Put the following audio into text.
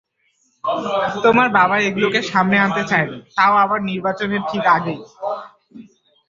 তোমার বাবা এগুলোকে সামনে আনতে চায়নি, তাও আবার নির্বাচনের ঠিক আগেই।